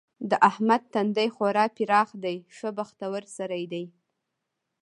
د احمد تندی خورا پراخ دی؛ ښه بختور سړی دی.